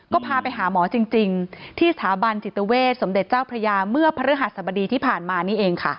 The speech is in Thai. ก็พาไปหาหมอจริงที่สถาบันจิตเวทสมเด็จเจ้าพระยาเมื่อพระฤหัสบดีที่ผ่านมานี่เองค่ะ